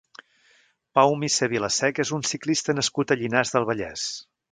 Pau Misser Vilaseca és un ciclista nascut a Llinars del Vallès.